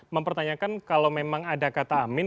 mempertanyakan kalau memang ada kata amin